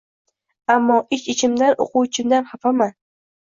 Ammo ich-ichimdan o‘quvchimdan xafaman.